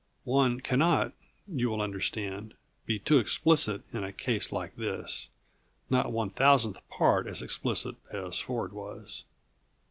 (One cannot, you will understand, be too explicit in a case like this; not one thousandth part as explicit as Ford was.)